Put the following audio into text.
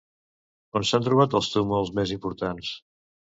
On s'han trobat els túmuls més importants?